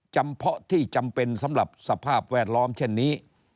เพาะที่จำเป็นสำหรับสภาพแวดล้อมเช่นนี้